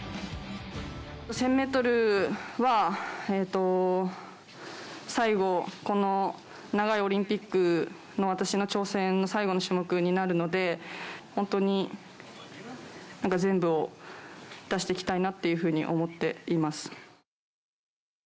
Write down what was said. １０００メートルは最後、この長いオリンピックの私の挑戦の最後の種目になるので、本当に全部を出していきたいなっていうふうに思っています。